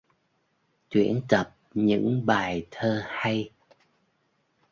Tuyển tập những bài thơ hay